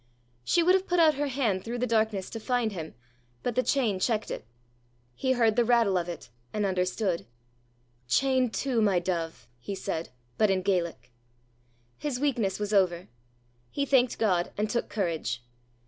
She would have put out her hand through the darkness to find him, but the chain checked it. He heard the rattle of it, and understood. "Chained too, my dove!" he said, but in Gaelic. His weakness was over. He thanked God, and took courage.